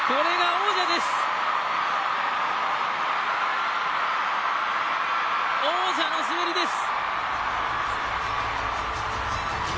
王者の滑りです！